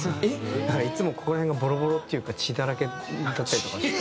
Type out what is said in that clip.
だからいつもここら辺がボロボロっていうか血だらけだったりとかして。